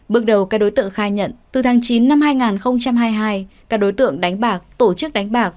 bước đầu các đối tượng khai nhận từ tháng chín năm hai nghìn hai mươi hai các đối tượng đánh bạc tổ chức đánh bạc